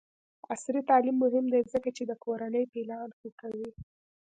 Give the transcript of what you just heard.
عصري تعلیم مهم دی ځکه چې د کورنۍ پلان ښه کوي.